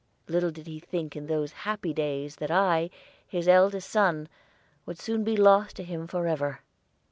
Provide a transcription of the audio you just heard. Little did he think in those happy days that I, his eldest son, would soon be lost to him forever.